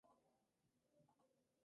Pasó a Vivir a Buenos Aires.